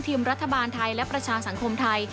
รัฐบาลไทยและประชาสังคมไทย